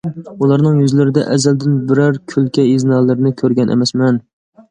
ئۇلارنىڭ يۈزلىرىدە ئەزەلدىن بىرەر كۈلكە ئىزنالىرىنى كۆرگەن ئەمەسمەن.